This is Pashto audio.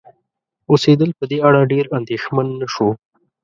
اوسیدل په دې اړه ډېر اندیښمن نشو